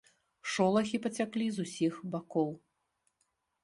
Шолахі пацяклі з усіх бакоў.